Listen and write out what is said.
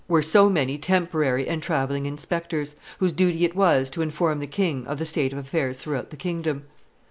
were so many temporary and travelling inspectors, whose duty it was to inform the king of the state of affairs throughout the kingdom.